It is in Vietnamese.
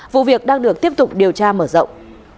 vụ việc đang được tiếp tục điều tra mở rộng